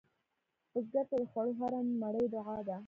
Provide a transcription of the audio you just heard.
بزګر ته د خوړو هره مړۍ دعا ده